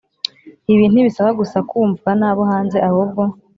Ibi ntibisaba gusa kumvwa nabo hanze ahubwo